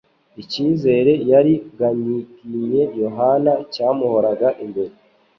Icyizere yari yaginye Yohana cyamuhoraga imbere.